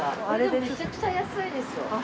これでもめちゃくちゃ安いですよ。